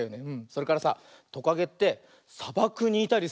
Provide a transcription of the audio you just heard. それからさトカゲってさばくにいたりするんだよね。